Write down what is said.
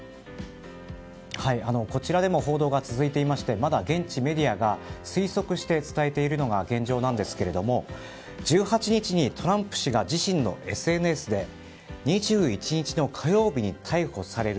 こちらでも報道が続いていましてまだ現地メディアが推測して伝えているのが現状なんですが１８日にトランプ氏が自身のＳＮＳで２１日の火曜日に逮捕される。